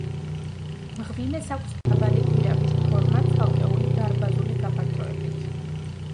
მღვიმეს აქვს დაბალი გვირაბის ფორმა, ცალკეული დარბაზული გაფართოებით.